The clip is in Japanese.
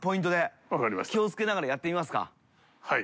はい。